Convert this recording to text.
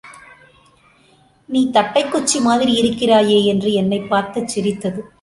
நீ தட்டைக் குச்சிமாதிரி இருக்கிறாயே என்று என்னைப் பார்த்து சிரித்தது.